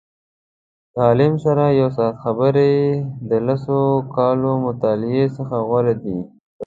د عالم سره یو ساعت خبرې د لسو کالو مطالعې څخه غوره دي.